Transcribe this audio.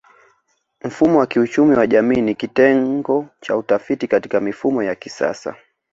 Mfumo wa kiuchumi wa jamii ni kitengo cha utafiti Katika mifumo ya kisasa